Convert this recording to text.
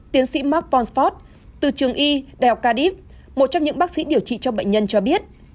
tiến sĩ mark ponsford từ trường y đại học cardiff một trong những bác sĩ điều trị cho bệnh nhân cho biết